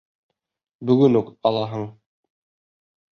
Бөгөн үк алаһың.